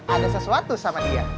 ada sesuatu sama dia